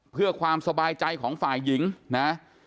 เพื่อความสบายใจของฝ่ายหญิงนะ